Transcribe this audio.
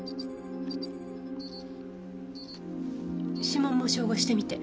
指紋も照合してみて。